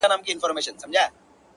ټکے یقین زه د دې خلقو په ایمان نۀ کؤوم